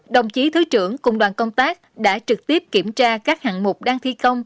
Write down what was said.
đồng chí thứ trưởng cùng đoàn công tác đã trực tiếp kiểm tra các hạng mục đang thi công